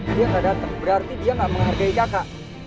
dia gak dateng berarti dia gak menghargai kakak